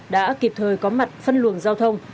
đã kịp thời có mặt phân luồng giao thông